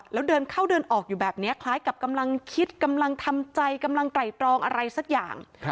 แล้วเดินเข้าเดินออกอยู่แบบนี้คล้ายกับกำลังคิดกำลังทำใจกำลังไตรตรองอะไรสักอย่าง